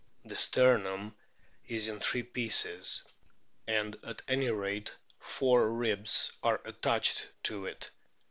The sternum is in three pieces, and at any rate four ribs are attached to it.